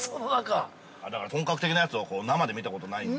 本格的なやつを生で見たことがないんで。